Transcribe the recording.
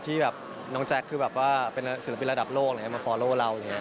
ที่น้องแจ็คคือแบบว่าเป็นศิลปินระดับโลกมาตามเรา